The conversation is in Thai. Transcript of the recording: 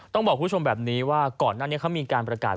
ต้องบอกคุณผู้ชมแบบนี้ว่าก่อนหน้านี้เขามีการประกาศ